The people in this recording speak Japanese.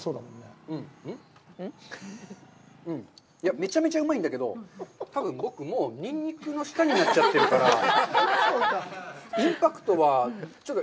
めちゃめちゃうまいんだけど、多分、僕、もうニンニクのしたになっちゃってるから、インパクトはちょっと。